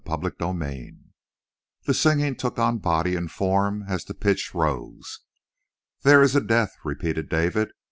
CHAPTER TWENTY TWO The singing took on body and form as the pitch rose. "There is a death," repeated David.